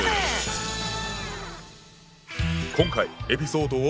今回エピソードを。